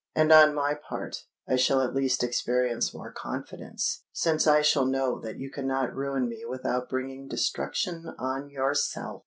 And on my part, I shall at least experience more confidence, since I shall know that you cannot ruin me without bringing destruction on yourself!"